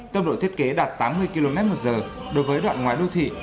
tốc độ thiết kế đạt tám mươi km một giờ đối với đoạn ngoài đô thị